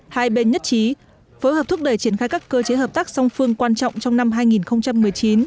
hai bên nhất trí phối hợp thúc đẩy triển khai các cơ chế hợp tác song phương quan trọng trong năm hai nghìn một mươi chín